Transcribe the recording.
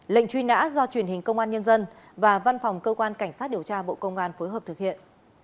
lệnh truy nã do truyền hình công an nhân dân và văn phòng cơ quan cảnh sát điều tra bộ công an phối hợp thực hiện